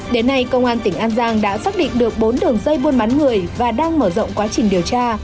đến nay công an tỉnh an giang đã xác định được bốn đường dây buôn bán người và đang mở rộng quá trình điều tra